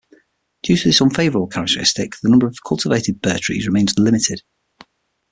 Due to this unfavourable characteristic the number of cultivated Bur trees remains limited.